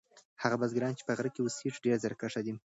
هغه بزګران چې په غره کې اوسیږي ډیر زیارکښ دي.